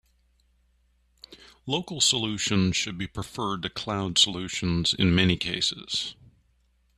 Local solutions should be preferred to cloud solutions in many cases.